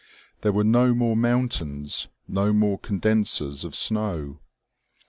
There were no more mountains, no more condensers of snow.